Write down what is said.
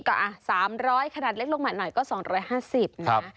ก็๓๐๐ขนาดเล็กลงมาหน่อยก็๒๕๐นะ